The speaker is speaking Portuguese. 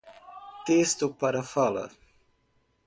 Texto para fala.